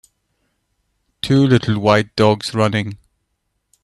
Two little white dogs running.